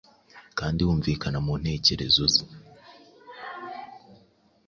kandi wumvikana mu ntekerezo ze,